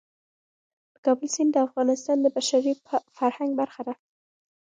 د کابل سیند د افغانستان د بشري فرهنګ برخه ده.